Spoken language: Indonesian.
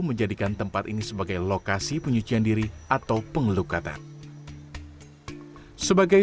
menjadikan tempat ini sebagai lokasi penyucian diri atau pengelukatan sebagai